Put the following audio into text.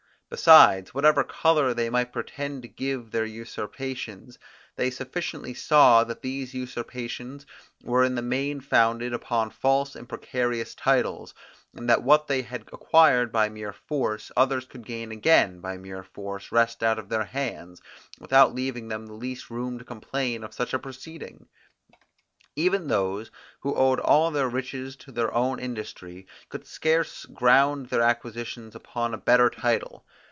Besides, whatever colour they might pretend to give their usurpations, they sufficiently saw that these usurpations were in the main founded upon false and precarious titles, and that what they had acquired by mere force, others could again by mere force wrest out of their hands, without leaving them the least room to complain of such a proceeding. Even those, who owed all their riches to their own industry, could scarce ground their acquisitions upon a better title.